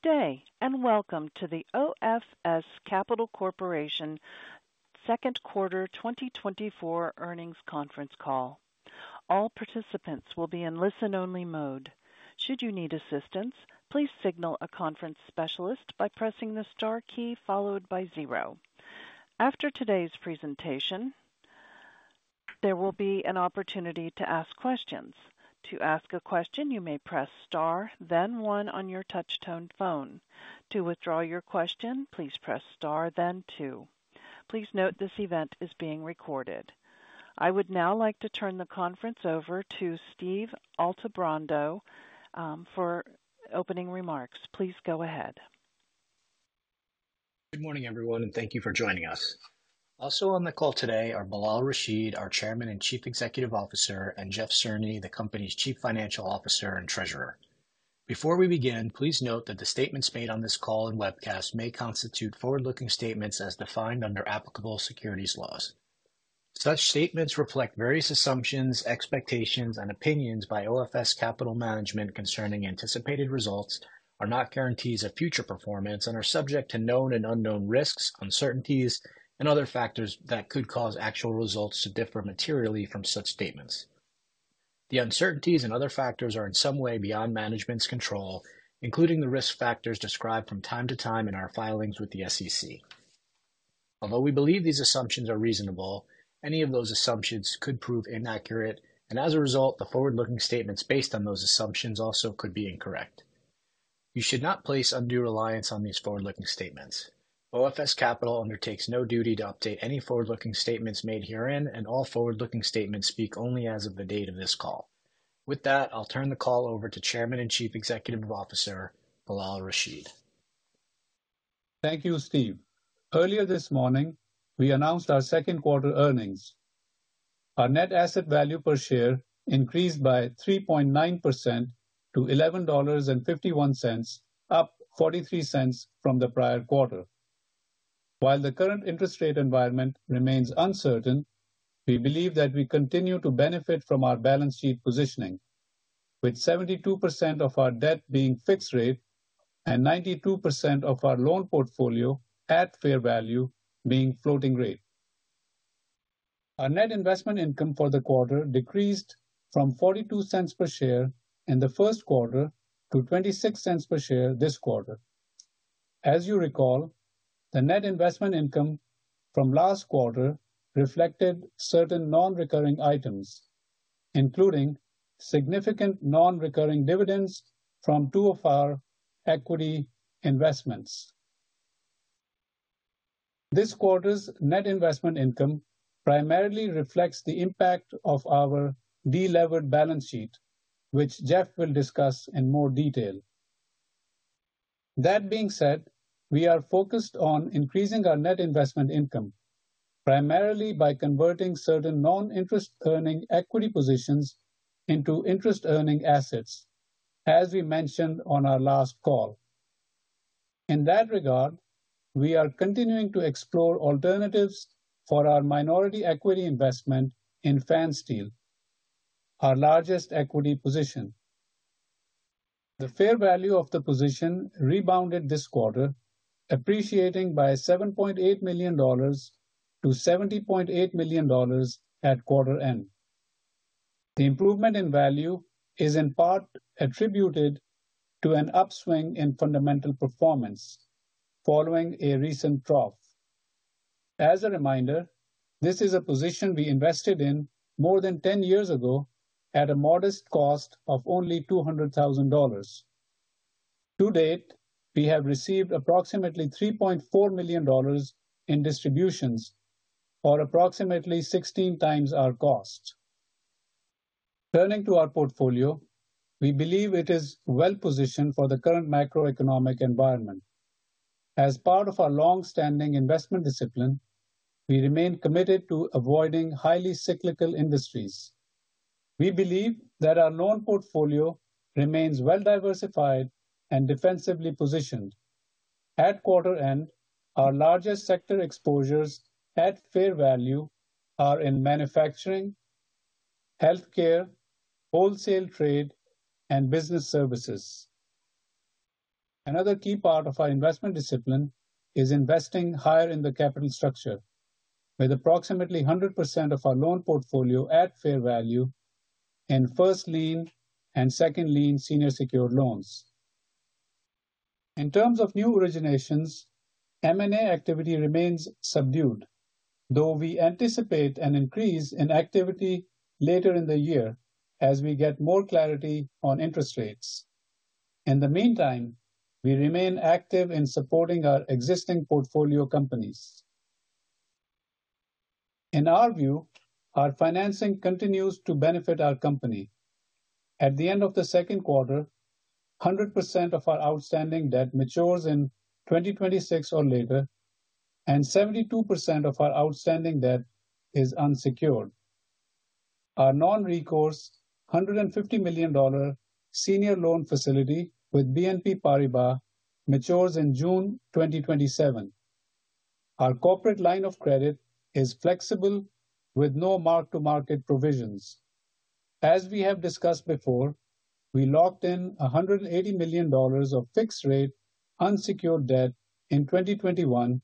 Good day, and welcome to the OFS Capital Corporation second quarter 2024 earnings conference call. All participants will be in listen-only mode. Should you need assistance, please signal a conference specialist by pressing the star key followed by zero. After today's presentation, there will be an opportunity to ask questions. To ask a question, you may press Star, then One on your touchtone phone. To withdraw your question, please press Star, then Two. Please note this event is being recorded. I would now like to turn the conference over to Steve Altebrando for opening remarks. Please go ahead. Good morning, everyone, and thank you for joining us. Also on the call today are Bilal Rashid, our Chairman and Chief Executive Officer, and Jeff Cerny, the company's Chief Financial Officer and Treasurer. Before we begin, please note that the statements made on this call and webcast may constitute forward-looking statements as defined under applicable securities laws. Such statements reflect various assumptions, expectations and opinions by OFS Capital Management concerning anticipated results, are not guarantees of future performance and are subject to known and unknown risks, uncertainties and other factors that could cause actual results to differ materially from such statements. The uncertainties and other factors are in some way beyond management's control, including the risk factors described from time to time in our filings with the SEC. Although we believe these assumptions are reasonable, any of those assumptions could prove inaccurate, and as a result, the forward-looking statements based on those assumptions also could be incorrect. You should not place undue reliance on these forward-looking statements. OFS Capital undertakes no duty to update any forward-looking statements made herein, and all forward-looking statements speak only as of the date of this call. With that, I'll turn the call over to Chairman and Chief Executive Officer, Bilal Rashid. Thank you, Steve. Earlier this morning, we announced our second quarter earnings. Our net asset value per share increased by 3.9% to $11.51, up $0.43 from the prior quarter. While the current interest rate environment remains uncertain, we believe that we continue to benefit from our balance sheet positioning, with 72% of our debt being fixed rate and 92% of our loan portfolio at fair value being floating rate. Our net investment income for the quarter decreased from $0.42 per share in the first quarter to $0.26 per share this quarter. As you recall, the net investment income from last quarter reflected certain non-recurring items, including significant non-recurring dividends from two of our equity investments. This quarter's net investment income primarily reflects the impact of our de-levered balance sheet, which Jeff will discuss in more detail. That being said, we are focused on increasing our net investment income, primarily by converting certain non-interest-earning equity positions into interest-earning assets, as we mentioned on our last call. In that regard, we are continuing to explore alternatives for our minority equity investment in Pfanstiehl, our largest equity position. The fair value of the position rebounded this quarter, appreciating by $7.8 million to $70.8 million at quarter end. The improvement in value is in part attributed to an upswing in fundamental performance following a recent trough. As a reminder, this is a position we invested in more than 10 years ago at a modest cost of only $200,000. To date, we have received approximately $3.4 million in distributions, or approximately 16 times our cost. Turning to our portfolio, we believe it is well positioned for the current macroeconomic environment. As part of our long-standing investment discipline, we remain committed to avoiding highly cyclical industries. We believe that our loan portfolio remains well-diversified and defensively positioned. At quarter end, our largest sector exposures at fair value are in manufacturing, healthcare, wholesale trade, and business services. Another key part of our investment discipline is investing higher in the capital structure, with approximately 100% of our loan portfolio at fair value in first lien and second lien senior secured loans. In terms of new originations, M&A activity remains subdued, though we anticipate an increase in activity later in the year as we get more clarity on interest rates. In the meantime, we remain active in supporting our existing portfolio companies. In our view, our financing continues to benefit our company. At the end of the second quarter, 100% of our outstanding debt matures in 2026 or later, and 72% of our outstanding debt is unsecured. Our non-recourse $150 million senior loan facility with BNP Paribas matures in June 2027. Our corporate line of credit is flexible, with no mark-to-market provisions. As we have discussed before, we locked in $180 million of fixed-rate unsecured debt in 2021,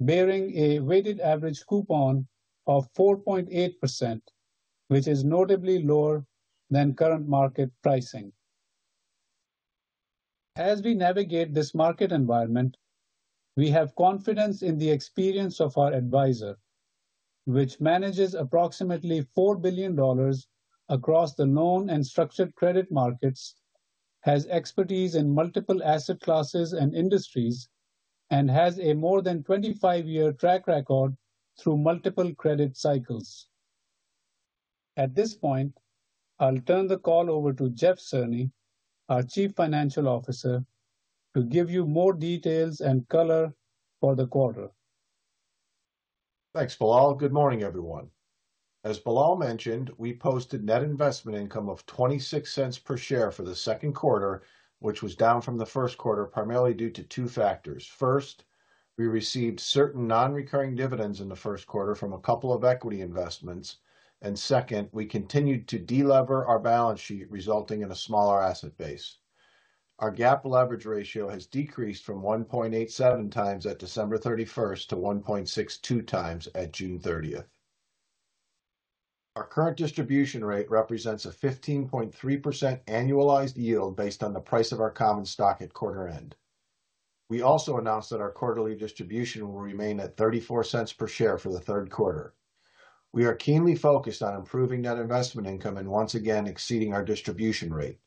bearing a weighted average coupon of 4.8%, which is notably lower than current market pricing. As we navigate this market environment, we have confidence in the experience of our advisor, which manages approximately $4 billion across the known and structured credit markets, has expertise in multiple asset classes and industries, and has a more than 25-year track record through multiple credit cycles. At this point, I'll turn the call over to Jeff Cerny, our Chief Financial Officer, to give you more details and color for the quarter. Thanks, Bilal. Good morning, everyone. As Bilal mentioned, we posted net investment income of $0.26 per share for the second quarter, which was down from the first quarter, primarily due to two factors. First, we received certain non-recurring dividends in the first quarter from a couple of equity investments, and second, we continued to delever our balance sheet, resulting in a smaller asset base. Our GAAP leverage ratio has decreased from 1.87 times at December thirty-first to 1.62 times at June thirtieth. Our current distribution rate represents a 15.3% annualized yield based on the price of our common stock at quarter end. We also announced that our quarterly distribution will remain at $0.34 per share for the third quarter. We are keenly focused on improving net investment income and once again exceeding our distribution rate.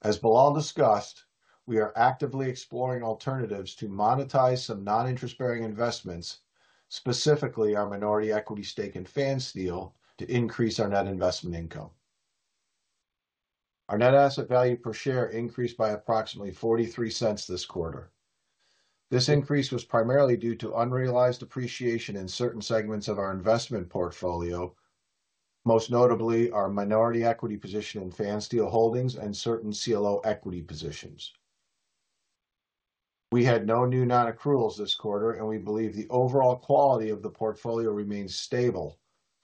As Bilal discussed, we are actively exploring alternatives to monetize some non-interest-bearing investments, specifically our minority equity stake in Pfanstiehl, to increase our net investment income. Our net asset value per share increased by approximately $0.43 this quarter. This increase was primarily due to unrealized appreciation in certain segments of our investment portfolio, most notably our minority equity position in Pfanstiehl Holdings and certain CLO equity positions. We had no new non-accruals this quarter, and we believe the overall quality of the portfolio remains stable.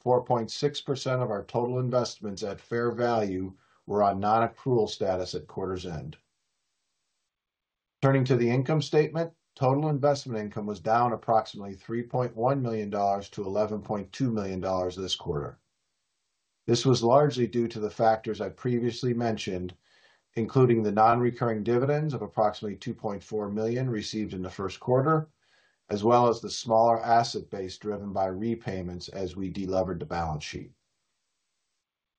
4.6% of our total investments at fair value were on non-accrual status at quarter's end. Turning to the income statement, total investment income was down approximately $3.1 million to $11.2 million this quarter. This was largely due to the factors I previously mentioned, including the non-recurring dividends of approximately $2.4 million received in the first quarter, as well as the smaller asset base driven by repayments as we delevered the balance sheet.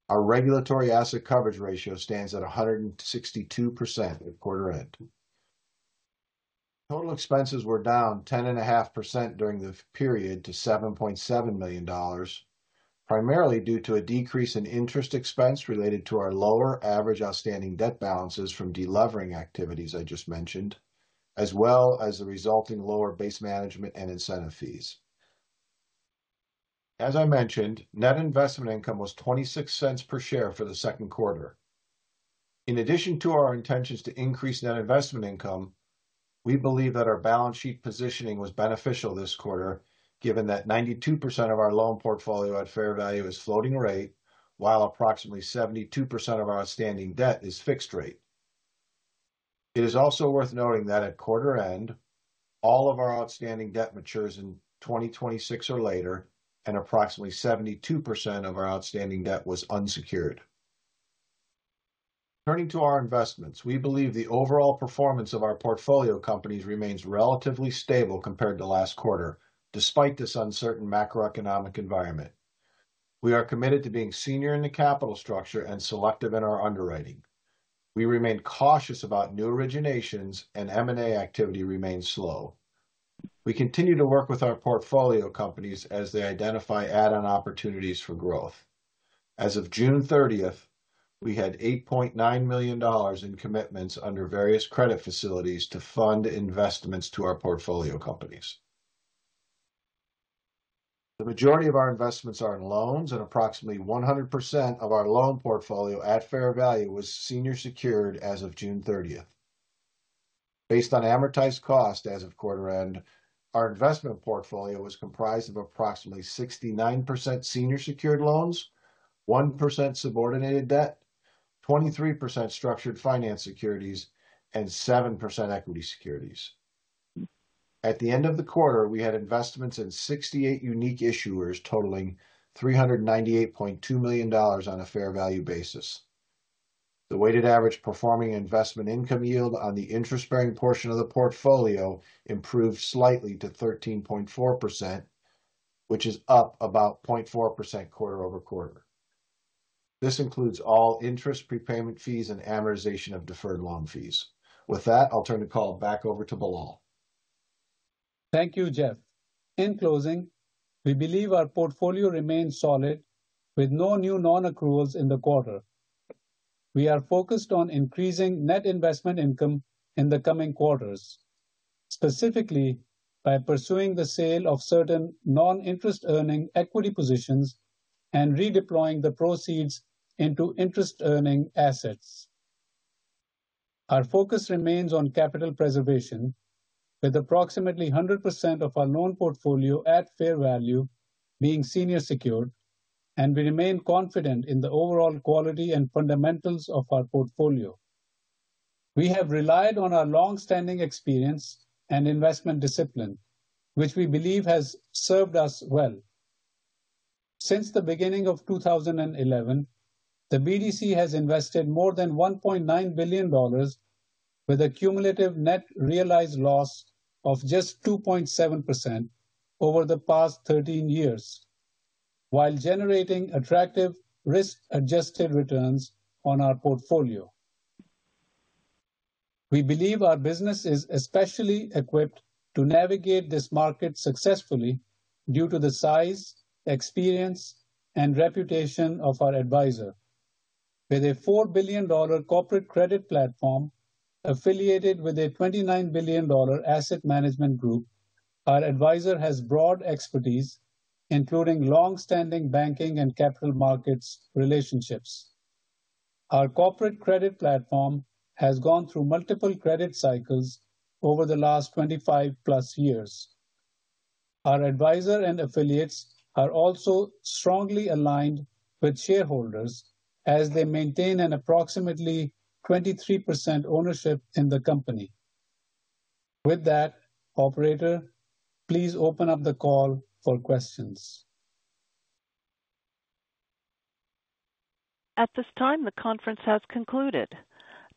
Our regulatory asset coverage ratio stands at 162% at quarter end. Total expenses were down 10.5% during the period to $7.7 million, primarily due to a decrease in interest expense related to our lower average outstanding debt balances from delevering activities I just mentioned, as well as the resulting lower base management and incentive fees. As I mentioned, net investment income was $0.26 per share for the second quarter. In addition to our intentions to increase net investment income, we believe that our balance sheet positioning was beneficial this quarter, given that 92% of our loan portfolio at fair value is floating rate, while approximately 72% of our outstanding debt is fixed rate. It is also worth noting that at quarter end, all of our outstanding debt matures in 2026 or later, and approximately 72% of our outstanding debt was unsecured. Turning to our investments, we believe the overall performance of our portfolio companies remains relatively stable compared to last quarter, despite this uncertain macroeconomic environment. We are committed to being senior in the capital structure and selective in our underwriting. We remain cautious about new originations, and M&A activity remains slow. We continue to work with our portfolio companies as they identify add-on opportunities for growth. As of June 30th, we had $8.9 million in commitments under various credit facilities to fund investments to our portfolio companies. The majority of our investments are in loans, and approximately 100% of our loan portfolio at fair value was senior secured as of June 30th. Based on amortized cost as of quarter end, our investment portfolio was comprised of approximately 69% senior secured loans, 1% subordinated debt, 23% structured finance securities, and 7% equity securities. At the end of the quarter, we had investments in 68 unique issuers, totaling $398.2 million on a fair value basis. The weighted average performing investment income yield on the interest-bearing portion of the portfolio improved slightly to 13.4%, which is up about 0.4% quarter-over-quarter. This includes all interest prepayment fees and amortization of deferred loan fees. With that, I'll turn the call back over to Bilal. Thank you, Jeff. In closing, we believe our portfolio remains solid with no new non-accruals in the quarter. We are focused on increasing net investment income in the coming quarters, specifically by pursuing the sale of certain non-interest-earning equity positions and redeploying the proceeds into interest-earning assets. Our focus remains on capital preservation, with approximately 100% of our loan portfolio at fair value being senior secured, and we remain confident in the overall quality and fundamentals of our portfolio. We have relied on our long-standing experience and investment discipline, which we believe has served us well. Since the beginning of 2011, the BDC has invested more than $1.9 billion with a cumulative net realized loss of just 2.7% over the past 13 years, while generating attractive risk-adjusted returns on our portfolio. We believe our business is especially equipped to navigate this market successfully due to the size, experience, and reputation of our advisor. With a $4 billion corporate credit platform affiliated with a $29 billion asset management group, our advisor has broad expertise, including long-standing banking and capital markets relationships. Our corporate credit platform has gone through multiple credit cycles over the last 25+ years. Our advisor and affiliates are also strongly aligned with shareholders as they maintain an approximately 23% ownership in the company. With that, operator, please open up the call for questions. At this time, the conference has concluded.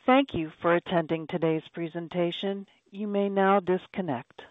Thank you for attending today's presentation. You may now disconnect.